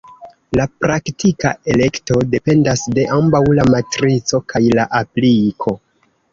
La praktika elekto dependas de ambaŭ la matrico kaj la apliko.